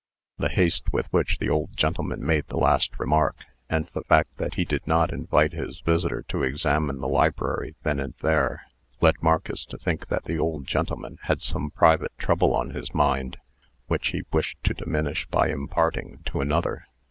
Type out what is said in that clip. The haste with which the old gentleman made the last remark, and the fact that he did not invite his visitor to examine the library then and there, led Marcus to think that the old gentleman had some private trouble on his mind, which he wished to diminish by imparting to another.